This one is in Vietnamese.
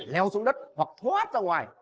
leo xuống đất hoặc thoát ra ngoài